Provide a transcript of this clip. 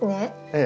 ええ。